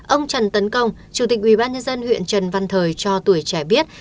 ông trần tấn công chủ tịch ubnd huyện trần văn thời cho tuổi trẻ biết